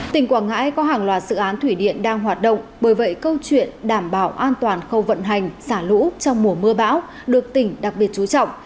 tỉnh quảng ngãi có hàng loạt dự án thủy điện đang hoạt động bởi vậy câu chuyện đảm bảo an toàn khâu vận hành xả lũ trong mùa mưa bão được tỉnh đặc biệt chú trọng